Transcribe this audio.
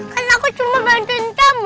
karena aku cuma bantuin kamu